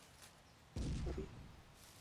কালে কালে কতই যে দেখতে হবে তাই ভাবি।